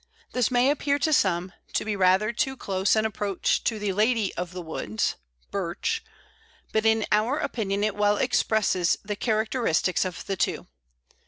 This may appear to some to be rather too close an approach to the "Lady of the Woods" (Birch), but in our opinion it well expresses the characteristics of the two.